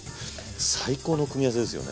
最高の組み合わせですよね。